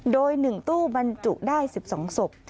โดย๑ตู้บรรจุได้๑๒ศพ